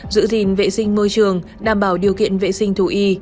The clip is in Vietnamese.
giữ gìn vệ sinh môi trường đảm bảo điều kiện vệ sinh thú y